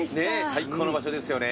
最高の場所ですよね。